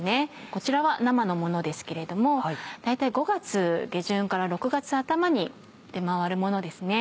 こちらは生のものですけれども大体５月下旬から６月頭に出回るものですね。